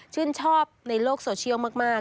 ชื่นชอบในโลกโซเชียลมาก